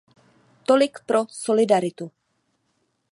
Tolik pro solidaritu.